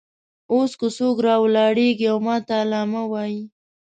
اوس که څوک راولاړېږي او ماته علامه وایي.